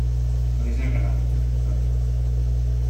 Elisa Queralt, pintora.